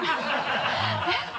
えっ？